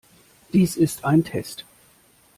Dies ist ein Test.